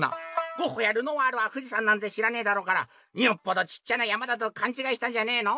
「ゴッホやルノワールは富士山なんて知らねえだろうからよっぽどちっちゃな山だとかんちがいしたんじゃねえの？」。